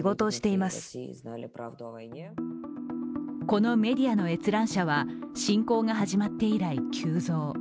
このメディアの閲覧者は侵攻が始まって以来急増。